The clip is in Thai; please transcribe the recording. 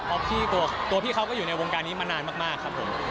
เพราะพี่ตัวพี่เขาก็อยู่ในวงการนี้มานานมากครับผม